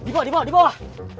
di bawah di bawah